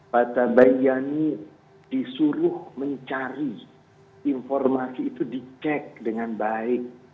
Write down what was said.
patabaiyani disuruh mencari informasi itu dicek dengan baik